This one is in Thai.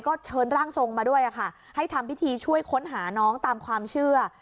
ก็เชิญร่างทรงมาด้วยค่ะให้ทำพิธีช่วยค้นหาน้องตามความเชื่อ